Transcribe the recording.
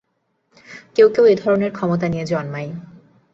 কেউ-কেউ এ-ধরনের ক্ষমতা নিয়ে জন্মায়।